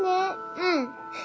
うん。